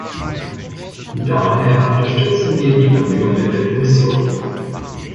Daher unterstützen wir die Bemühungen der Kommission.